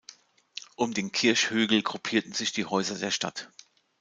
Um den Kirchhügel gruppierten sich die Häuser der Stadt.